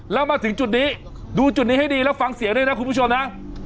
แล้วมาถึงจุดนี้ดูจุดนี้ให้ดีแล้วฟังเสียงด้วยนะคุณผู้ชมนะ